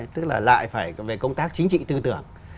tức là lại phải về công tác chính trị tư tưởng